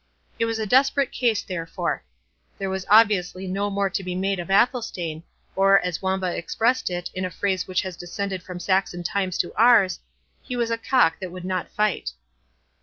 It was a desperate case therefore. There was obviously no more to be made of Athelstane; or, as Wamba expressed it, in a phrase which has descended from Saxon times to ours, he was a cock that would not fight.